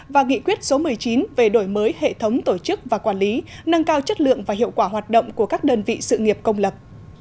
và nghị quyết số một mươi chín về đổi mới hệ thống tổ chức và quản lý nâng cao chất lượng và hiệu quả hoạt động của các đơn vị sự nghiệp công lập